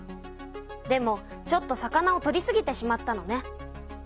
でもちょっと魚を取りすぎてしまったのね。